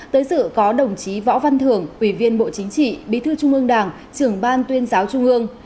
tới sự có đồng chí võ văn thưởng ủy viên bộ chính trị bí thư trung ương đảng trưởng ban tuyên giáo trung ương